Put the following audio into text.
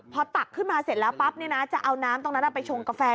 พอตักขึ้นมาเสร็จแล้วปั๊บจะเอาน้ำตรงนั้นไปชงกาแฟ